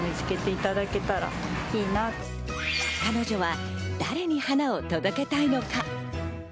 彼女は誰に花を届けたいのか。